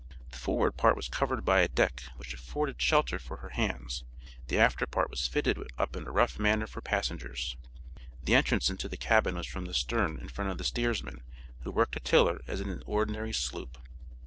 The forward part was covered by a deck which afforded shelter for her hands. The after part was fitted up in a rough manner for passengers. The entrance into the cabin was from the stern in front of the steersman, who worked a tiller as in an ordinary sloop.